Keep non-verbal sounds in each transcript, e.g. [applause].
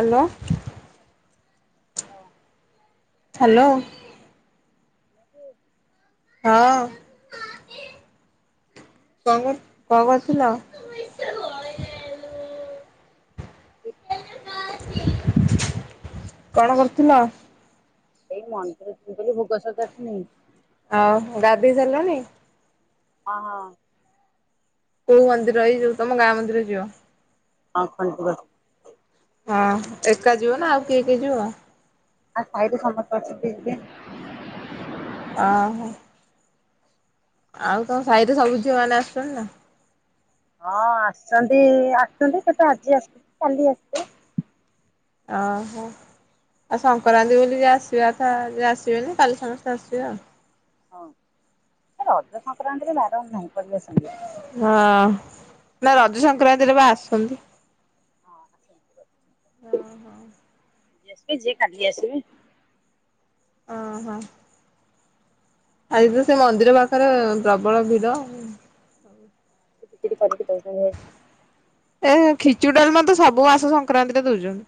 Hello. ହ। Hello. [unintelligible] ହଁ କ- କଣ କରୁଥିଲ? କଣ କରୁଥିଲ? [unintelligible] ଆଉ ଗାଧେଇ ସାରିଲଣିି? ହଁ। କୋଉ ମନ୍ଦିର ଏଇ ଯୋଉ ତମ ଗାଁ ମନ୍ଦିର ଯିବ? ଆଉ କଣ କୁହ? ହଁ ଏକା ଯିବ ନା ଆଉ କିଏ କିଏ ଯିବ? ଆଉ ସାଇରେ ସମସ୍ତେ ଅଛନ୍ତି ଯିବେ। ଅ ହ। ଆଉ ତମ ସାଇରେ ସବୁ ଝିଅମାନେ ଆସୁଚନ୍ତି ନା? ହଁ ଆସୁଚନ୍ତି ଆସୁଚନ୍ତି ସେ ତ ଆଜି ଆସି ଆସିଥିବେ କାଲି ଆସିବେ। ଅ ହ। ଆଉ ସଂକ୍ରାନ୍ତି ବୋଲି ଯିଏ ଆସିବା ଅଥା ଯିଏ ଆସିବେନି କାଲି ସମସ୍ତେ ଆସିବେ ଆଉ। ହଁ ଏ ରଜ ସଂକ୍ରାନ୍ତିରେ ବାରଣ ନାହିଁ ପଳି ଆସନ୍ତି। ହଁ ନା ରଜ ସଂକ୍ରାନ୍ତିରେ ବା ଆସନ୍ତି। ହଁ ଆସନ୍ତି ରଜ [unintelligible] ଓହୋ [unintelligible] ଯିଏ କାଲି ଆସିବେ। ଅଁ ହଁ। ଆଜି ତ ସେ ମନ୍ଦିର ପାଖେରେ ପ୍ରବଳ ଭିଡ। [unintelligible] ଏ ଖିଚୁଡି ଡାଲମା ତ ସବୁ ମାସ ସଂକ୍ରାନ୍ତିରେ ଦଉଚନ୍ତି।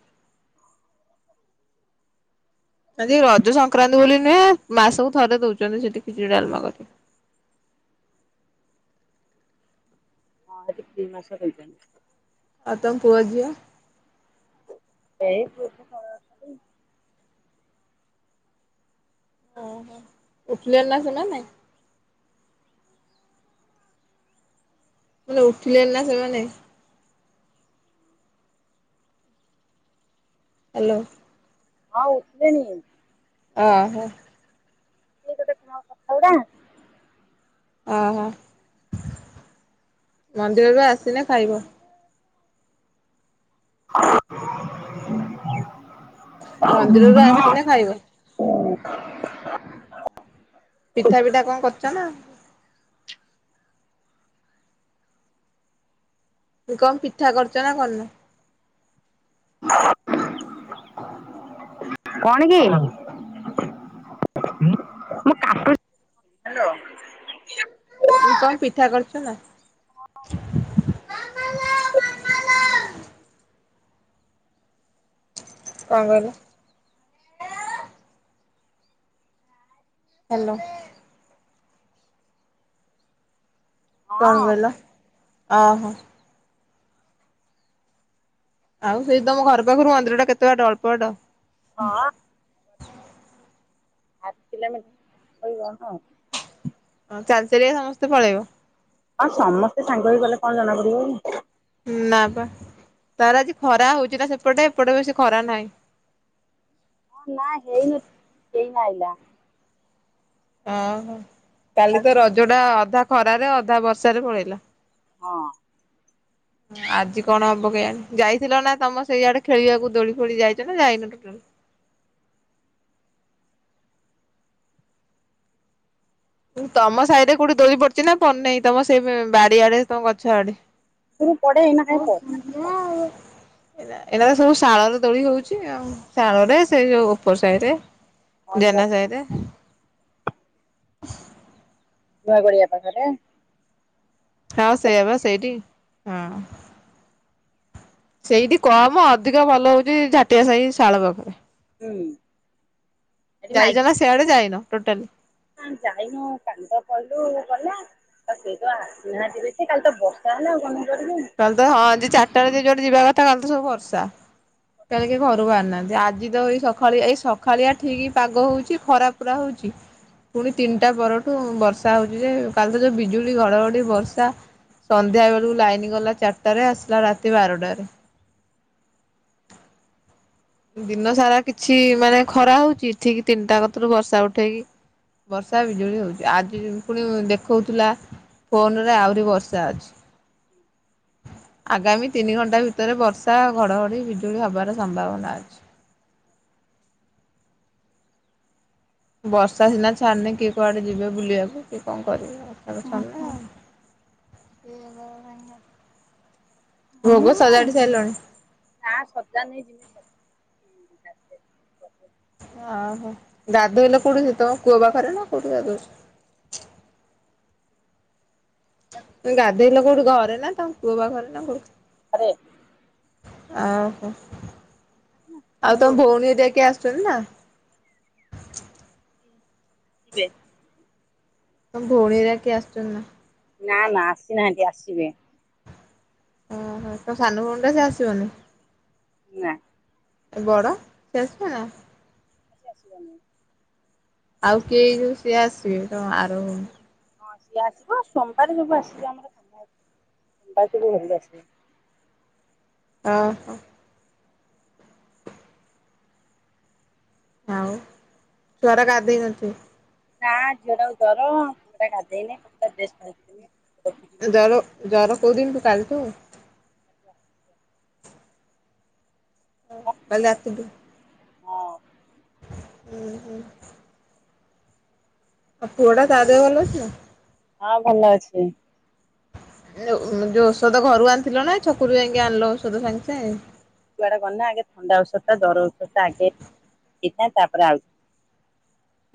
ଆଜି ରଜ ସଂକ୍ରାନ୍ତି ବୋଲି ନୁହେଁ ମାସକୁ ଥରେ ଦଉଚନ୍ତି ସେଠି ଖିଚୁଡି ଡାଲମା କରି। ହଁ ଏଇ ଫ୍ରି ମାସ ଦେଇଚନ୍ତି। ଆଉ ତମ ପୁଅ ଝିଅ? ଏଇ ପୁଅ ଏଠେ ଖେଳ ଉଁ ହୁଁ, ଉଠିଲେଣି ନା ସେମାନେ? ମୁଁ କହିଲି ଉଠିଲେଣି ନା ସେମାନେ? ହାଲୋ। ହଁ ଉଠିଲେଣି। ଅ ହୋ। ମୋ କଥାଗୁଡା? ଅ ହ ମନ୍ଦିରରୁ ଆସିଲେ ଖାଇବ? [inaudible] ମନ୍ଦିରରୁ ଆସିନେ ଖାଇବ। [inaudible] ପିଠା ଫିଠା କଣ କରିଚ ନା? ଉ କଣ ପିଠା କରିଚ ନା କରିନ? କଣ କି? ହ୍ୟାଲୋ ମୁଁ କହିଲି ପିଠା କରିଚ ନା? ହଁ ହୁଁ। କଣ କହିଲ? ହାଲୋ। ହଁ କଣ କହିଲ ଅ ହୋ। ଆଉ ସେଇ ତମ ଘର ପାଖୁରୁ ମନ୍ଦିରଟା କେତେ ବାଟ ଅଳ୍ପ ବାଟ? ହଁ। ହାପ୍ କିଲୋମି [unintelligible] ହଁ। ହଁ ଚାଲି ଚାଲିକା ସମସ୍ତେ ପଳେଇବ। ହଁ ସମସ୍ତେ ସାଙ୍ଗ ହେଇଗଲେ କଣ ଜଣା ପଡିବ କି। ନା ପା ତାର ଆଜି ଖରା ହଉଚି ନା ସେପଟେ ଏପଟେ ବେଶୀ ଖରା ନାହିଁ। ନା ହେଇ ନ ଏଇନେ ଆଇଲା। ଅ ହୋ ହଁ କାଲି ତ ରଜଟା ଅଧା ଖରାରେ ଅଧା ବର୍ଷାରେ ପଳେଇଲା। ହଁ। ହଁ ଆଜି କଣ ହବ କେଜାଣି ଯାଇଥିଲ ନା ତମ ସେଇ ଆଡେ ଖେଳିଆକୁ ଦୋଳି ଫୋଳି ଯାଇଚ ନା ଯାଇନ ଟୋଟାଲ୍? ଉଁ ତମ ସାହିରେ କୋଉଠି ଦୋଳି ପଡିଚି ନା ପଡି ନାଇଁ ତମ ସେଇ ବଁ ବାରି ଆଡେ ତମ ଗଛ ଆଡେ? ହୁଁ ପଡେ ଏଇନା କାଇଁ ପ ଯାହା ହଉ। ଏରା ଏରା ତ ସବୁ ଶାଳରେ ଦୋଳି ହଉଚି ଆଉ ଶାଳରେ ସେଇ ଯୋଉ ଉପର ସାହିରେ। ଜେନା ସାହିରେ। ନୂଆଗଳିଆ ପାଖରେ। ହଁ ସେୟା ବା ସେଇଟି ହଁ। ସେଇଟି କମ ଅଧିକ ଭଲ ହଉଚି ଝାଟିଆ ସାହି ଶାଳ ପାଖରେ। ହୁଁ। ଯାଇଚ ନା ସିଆଡେ ଯାଇନ ଟୋଟାଲି? ନା ଯାଇନୁ କାଲି ତ ପଇଲୁ ଗଲା। ତ କେଇ ତ ଆସିନାହାନ୍ତି ବେଶୀ କାଲି ତ ବର୍ଷା ହେଲା ଆଉ କନ କରିବି। କାଲି ତ ହଁ ଯିଏ ଚାରଟା ବେଳେ ଯିଏ ଯୁଆଡେ ଯିବା କଥା କାଲି ତ ସବୁ ବର୍ଷା। କାଲି କେହି ଘରୁ ବାହାରି ନାହାନ୍ତି ଆଜି ତ ଏଇ ସ ଖାଳେ ଏଇ ସଖାଳିଆ ଠିକ୍ ପାଗ ହଉଚି ଖରା ପୁରା ହଉଚି। ପୁଣି ତିନି ଟା ପରଠୁ ବର୍ଷା ହଉଚି ଯେ କାଲି ତ ଯୋଉ ବିଜୁଳି, ଘଡ଼ଘଡ଼ି, ବର୍ଷା। ସନ୍ଧ୍ୟା ବେଳୁ ଲାଇନ୍ ଗଲା ଚାରଟାରେ ଆସିଲା ରାତି ବାରଟାରେ। ଦିନ ସାରା କିଛି ମାନେ ଖରା ହଉଚି ଠିକ୍ ତିନିଟା କତିରୁ ବର୍ଷା ଉଠେଇକି ବର୍ଷା, ବିଜୁଳି ହଉଚି ଆଜି ପୁଣି ଦେଖଉଥିଲା ଫୋନ୍ ରେ ଆହୁରି ବର୍ଷା ଅଛି। [inaudible] ଆଗାମୀ ତିନି ଘଣ୍ଟା ଭିତରେ ବର୍ଷା, ଘଡ଼ଘଡ଼ି, ବିଜୁଳି ହବାର ସମ୍ଭାବନା ଅଛି। ବର୍ଷା ସିନା ଛାଡ଼ିଲେ କିଏ କୁଆଡ଼େ ଯିବେ ବୁଲିବାକୁ। କିଏ କଣ କରିବେ ଆଉ। ବର୍ଷା ତ ଛାଡ଼ୁନି ଆଉ। [unintelligible] ଭୋଗୋ ସଜାଡି ସାରିଲଣି? ନାଁ ସଜାଡ଼ିନି ଯିବି ସଜାଡ଼ିବି। ଆହୋ, ଗାଧେଇଲ କୋଉଠି? ସେ ତମ କୂଅ ପାଖରେ ନା କୋଉଠି ଗାଧୋଉଛ? ହୁଁ। ଗାଧୋଇଲ କୋଉଠି ଘରେ ନା ତମ କୂଅ ପାଖେରେ ନା କୋଉଠି? ଘରେ। ଆଉ ହଁ, ଆସିବେ ଆଉ ତମ ଭଉଣୀ ହେରିକା କିଏ ଆସିଚନ୍ତି ନା? [unintelligible] ତମ ଭଉଣୀ ହେରିକା କିିଏ ଆସିଚନ୍ତି ନା? ନା ନା ଆସିନାହାନ୍ତି ଆସିବେ। ଓହୋଃ, ତମ ସାନ ଭଉଣୀ ତ ସେ ଆସିବନି? ନା। ଆଉ ବଡ଼ ସେ ଆସିବ ନା? ସିଏ ଆସିବନି। ଆଉ କିଏ? ଯୋଉ ସିଏ ଆସିବେ ତମ ଆର ଭଉଣୀ। ହଁ ସିଏ ଆସିବ। ସୋମବାରେ ସବୁ ଆସିବେ, ଆମର କାମ ଅଛି ସୋମବାରେ ସବୁ ବନ୍ଧୁ ଆସିବେ। ଅ ହ। ଆଉ ଛୁଆ ଟା ଗାଧେଇ ନଥିବା। ଟା ଝିଅଟା କୁ ଜର ଝିଅଟା ଗାଧେଇନି [unintelligible] ଜର ଜର କୋଉ ଦିନ ଠୁ କାଲିଠୁ? [unintelligible] ହଁ, କାଲି ରାତିଠୁ। ହଁ। ଉଁ ହୁଁ। ଆଉ ପୁଅଟା ତା ଦେହ ଭଲ ଅଛି? ହଁ ଭଲ ଅଛି। ଏ ଯୋଉ ଉଁ ଯୋଉ ଔଷଧ ଘରୁ ଆଣିଥିଲ ନା, ଛକୁରୁ ଯାଇକି ଆଣିଲ ଔଷଧ ସାଙ୍ଗେ ସାଙ୍ଗେ? କୁଆଡ଼େ ଗଲା ଆଗେ ଥଣ୍ଡା ଔଷଧ ଟା ଧରେ ଔଷଧ ଟା ଆଗେ ହେଇଥାଏ। ତାପରେ ଆଉ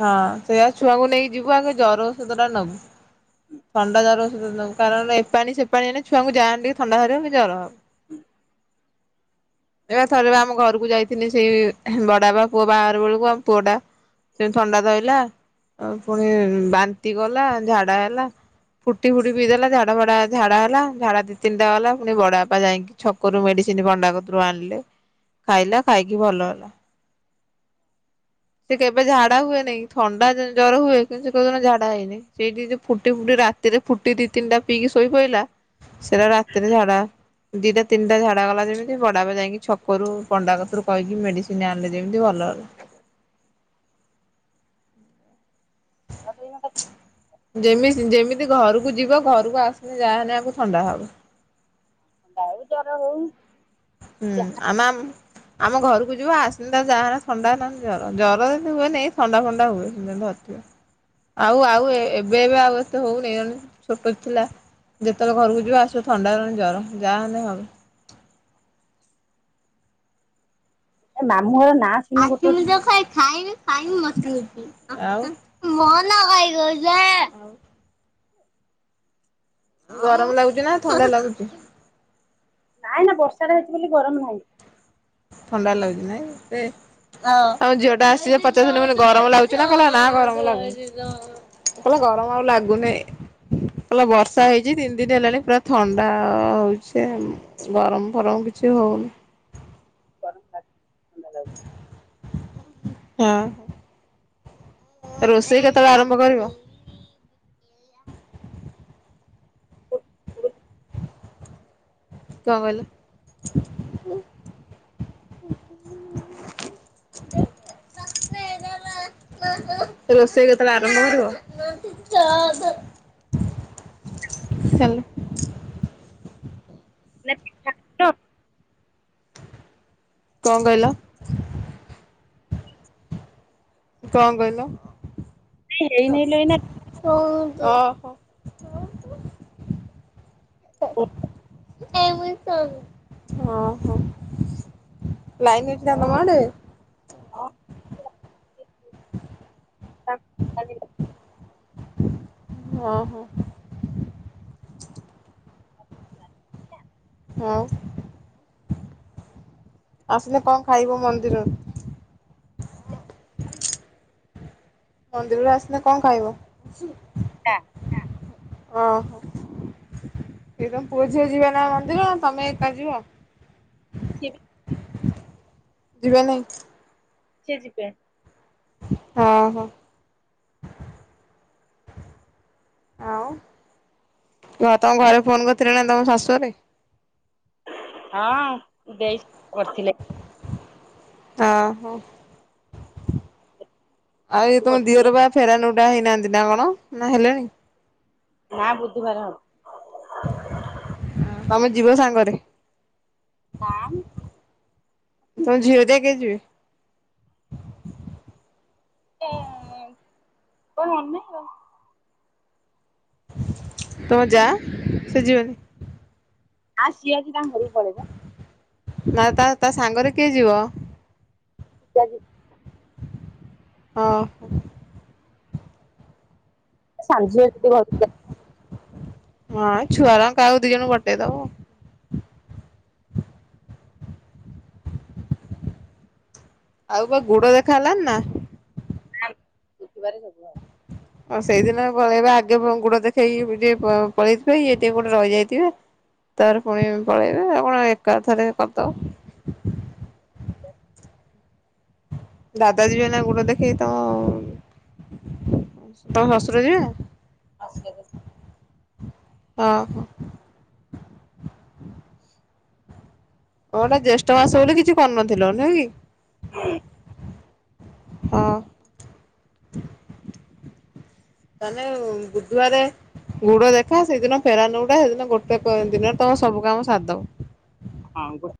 ହଁ ସେଇଆ ଛୁଆଙ୍କୁ ନେଇିକଯିବୁ ଆଗେ ଜର ଔଷଧ ଟା ନବୁ। ଥଣ୍ଡା ଜର ଔଷଧ ନବୁ କାରଣ ଏପାଣି ସେ ପାଣି ଏଇନା ଛୁଆଙ୍କୁ ଯାହା ହେଲେବି ଥଣ୍ଡା ଧରିବ କି ଜର ହବ। ହୁଁ। ଏଇବା ଥରେ ବା ଆମ ଘରକୁ ଯାଇଥିନି ସେ ବଡବାପା ପୁଅ ବାହାଘର ବେଳକୁ ଆମ ପୁଅଟା ସେମିତି ଥଣ୍ଡା ଧଇଲା ଆଉ ପୁଣି ବାନ୍ତି କଲା, ଝାଡା ହେଲା। ଫୁଟି ଫୁଟି ପିଇ ଦେଲା ଝାଡା ଫାଡା ଝାଡା ହେଲା ଝାଡା ଦି ତିନିଟା ଗଲା ଫୁଣି ବଡାବାପା ଯାଇକି ଛକରୁ ମେଡିସିନ ପଣ୍ଡା କତିରୁ ଆଣିଲେ ଖାଇଲା ଖାଇକି ଭଲ ହେଲା। ସେ କେବେ ଝାଢା ହୁଏନିଁ ଥଣ୍ଡା ଜର ହୁଏ କିନ୍ତୁ ସେ କେଉଦିନ ଝାଢା ହେଇନି। ସେଇଠି ଯୋଉ ଫୁଟି ଫୁଟି ରାତିରେ ଫୁଟି ଦି ତିନିାଟା ପିଇକି ଶୋଇ ପଇଲା ସେଟା ରାତିରେ ଝାଡା। ଦିଇଟା ତିନିଟା ଝାଡ଼ା ଗଲା ଯେମିତି ବଡାବାପା ଯାଇକି ଛକରୁ ପଣ୍ଡା କତିରୁ କହିକି ମେଡ଼ିସିନ ଆଣିଲେ ଯେମିତି ଭଲ ହେଲା। [unintelligible] ଯେମିତି ଯେମିତି ଘରକୁ ଯିବ ଘରକୁ ଆସିଲେ ଯାହାହେଲେ ୟାଙ୍କୁ ଥଣ୍ଡା ହବ। ଦାଉ ଜର ହଉ। ହୁଁ ଯାହା ଆମେ ଆମ ଆମ ଘରକୁ ଯିବ ଆସିନେ ତାକୁ ଯାହା ହେଲେ ଥଣ୍ଡା ନହେଲେ ଜର ଜର ଏମିତି ହୁଏନି ଥଣ୍ଡା ଫଣ୍ଡା ହୁଏ। ଆଉ ଆଉ ଏ ଏବେ ଏବେ ଆଉ ଏତେ ହଉନି ନହେଲେ ଛୋଟ ଥିଲା ଯେତେବେଳେ ଘରକୁ ଯିବ ଆସିବ ଥଣ୍ଡା ନହେଲେ ଜ୍ୱର ଯାହାହେଲେ ହେବ। ଏ ମାମୁଘର ନା ଆଖ ମୁଜ କାଇଁ ଖାଇନୁ। ଖାଇନୁ [unintelligible] ଆଉ [unintelligible] ଗରମ ଲାଗୁଛି ନା ଥଣ୍ଡା ଲାଗୁଛି? ନାହିଁ ନା ବର୍ଷା ଟା ହେଇଛି ବୋଲି ଗରମ ହଉନି। ଥଣ୍ଡା ଲାଗୁଛି ନାଇଁ ସେ ହଁ ଆମ ଝିଅଟା ଆସିଛି ଯେ ପଚାରୁ ଥିଲି ମୁଁ କହିଲି ଗରମ ଲାଗୁଛି ନା ଥଣ୍ଡା ନା ଗରମ ଲାଗୁନି। ଉ ଗରମ ଆଉ ଲାଗୁନି। ଲା ବର୍ଷା ହେଇଛି ତିନି ଦିନ ହେଲାଣି ପୁରା ଥଣ୍ଡା ହଉଛି ଆଉ। ଗରମ ଫରମ କିଛି ହଉନି। [unintelligible] ଥଣ୍ଡା ଲାଗୁଛି। ହୁଁ। ରୋଷେଇ କେତେବେଳେ ଆରମ୍ଭ କରିବ? କଣ କହିଲେ? [unintelligible] ରୋଷେଇ କେତେବେଳେ ଆରମ୍ଭ କରିବ? [unintelligible] ଚାଲ। ନା ପିଠା। କଣ କହିଲ? କଣ କହିଲ? କିଛି ହେଇନି ଲୋ ଏଇନା। ଓହୋ। [unintelligible] ଓହୋ। ଲାଇନ୍ ଅଛିନା ତମ ଆଡେ? [unintelligible] ହଁ ହଁ। ହଁ ଆସିଲେ କଣ ଖାଇବ ମନ୍ଦିରରୁ? ମନ୍ଦିରରୁ ଆସିଲେ କଣ ଖାଇବ? ପିଠା। ଓହୋ ସେ ତମ ପୁଅ ଝିଅ ଯିବ ନା ମନ୍ଦିର ତମେ ଏକା ଯିବ? [unintelligible] ଯିବେ ନାହିଁ। ସିଏ ଯିବେ। ହଁ ହଁ ଆଉ ହଁ ତମ ଘରେ ଫୋନ କରିଥିଲେ ନା ତମ ଶାଶୁ ରେ ହଁ ଦେଇ କରିଥିଲେ ହ ହୋ ଆଉ ଇ ତମ କରିଥିଲେ ଦିଅର ବା ଫେର ନୁଟା ହେଇନାହାନ୍ତି ନା କଣ ନା ହେଲେ ନା ବୁଧବାର ହବ ତମେ ଯିବ ସାଙ୍ଗରେ! [inaudible] ତମ ଝିଅ ହାରୀ କା ବି ଯିବେ କଣ ତୁମ ଯା ସେ ଯିବନି? ଆ ସିଏ ଆଜି ତାଙ୍କ ଘରକୁ ପଲେଇଳା ନା ତା, ତା ସାଙ୍ଗରେ କିଏ ଯିବ? ାଜି [unintelligible] ହଁ। ସାନ ଝିଅ ଅଛି ଘରଟି ହଁ ଛୁଆଗୁଡ଼ କାହାକୁ ଦି ଜଣ ପଠେ ଇ ଦବ। ଆଉ ବା ଗୁଡ ଦେଖା ହେଲଣି ନା। ନା ଦେଖିବାରେ ସବୁ ଆଉ। ହଉ ସେଇଦିନ ଭଳି ଆଗେ ଗୁଡ ଦେଖେଇକି ଟିକେ ପଳେଇଥିବେ। ଇଏ ଟିକେ କେଉଁଠି ଗୋଟେ ରହିଯାଇଥିବେ। ତାର ପୁଣି ପଳେଇବେ ଆଉ କଣ ଏକାଥରେ କରିଦବା। ଦାଦା ଯିବେ ନା ଗୋଡ ଦେଖେଇ ତମ। ତମ ଶ୍ୱଶୁର ଯିବେ। ଆସଥରେ ହଁ। ଏଇଟା ଜ୍ୟେଷ୍ଟ ମାସ ବୋଲି କିଛି କରୁନଥିଲ। ନୁହେଁ କି? ହୁଁ। ହଁ। ତାହେଲେ ବୁଧବାରେ। ଗୁଡ ଦେଖା ସେଇଦିନ ଫେରା ନଉଟା ସେଦିନ ଗୋଟେ ଦିନରେ ତମେ ସବୁ କାମ ସାରିଦେବ। ହଁପା।